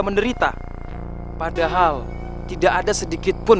menderita padahal tidak ada sedikitpun